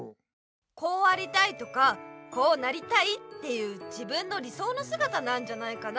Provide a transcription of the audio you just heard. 「こうありたい」とか「こうなりたい」っていう自分の理そうのすがたなんじゃないかな。